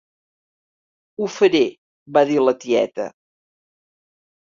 "Ho faré," va dir la tieta.